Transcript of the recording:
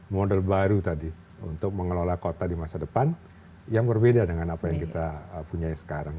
model baru tadi untuk mengelola kota di masa depan yang berbeda dengan apa yang kita punya sekarang